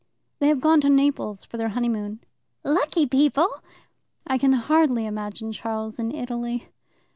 "They have gone to Naples for their honeymoon." "Lucky people!" "I can hardly imagine Charles in Italy."